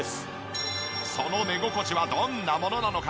その寝心地はどんなものなのか？